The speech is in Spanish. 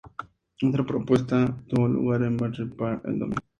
Otra protesta tuvo lugar en Battery Park el domingo.